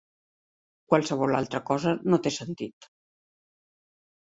Qualsevol altra cosa no té sentit.